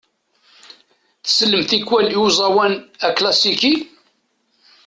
Tsellem tikwal i uẓawan aklasiki?